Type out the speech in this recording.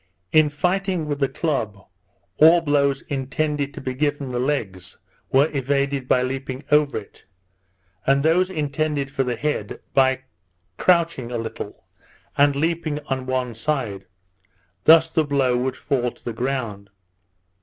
In fighting with the club, all blows intended to be given the legs, were evaded by leaping over it; and those intended for the head, by couching a little, and leaping on one side; thus the blow would fall to the ground.